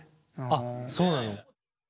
あっそうなの？